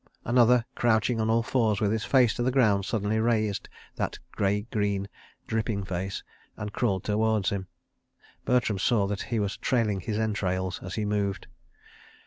Another, crouching on all fours with his face to the ground, suddenly raised that grey green, dripping face, and crawled towards him. Bertram saw that he was trailing his entrails as he moved.